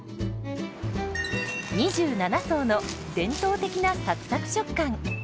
２７層の伝統的なサクサク食感。